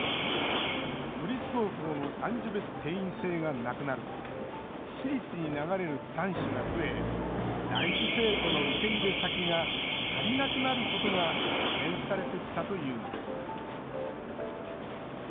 都立高校の男女別定員制がなくなると私立に流れる男子が増え男子生徒の受け入れ先が足りなくなることが懸念されてきたというのです。